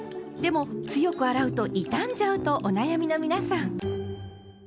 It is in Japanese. でも強く洗うと傷んじゃうとお悩みの皆さん。